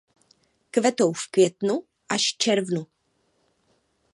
Kvetou v květnu až červnu.